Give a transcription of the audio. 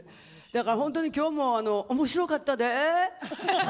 だから本当に今日もおもしろかったで。